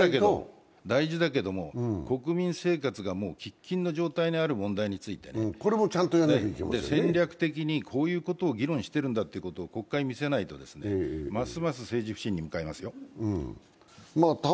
この問題も大事だけど、国民生活が喫緊の状態にあるんだということ見据えて戦略的にこういうことを議論しているんだということを国民に見せないと、ますます政治不信に向かいますよ。